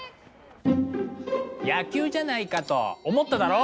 野球じゃないかと思っただろ？